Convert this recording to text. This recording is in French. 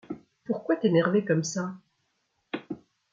Pourquoi t’énerver comme ça ?